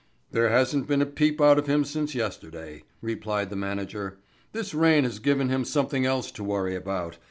"There's hasn't been a peep out of him since yesterday," replied the manager. "This rain has given him something else to worry about.